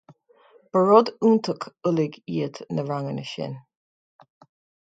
Ba rud iontach uilig iad na ranganna sin.